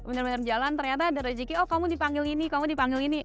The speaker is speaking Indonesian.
bener bener jalan ternyata ada rezeki oh kamu dipanggil ini kamu dipanggil ini